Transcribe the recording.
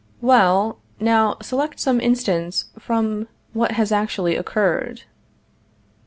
Well, now, select some instance from what has actually occurred.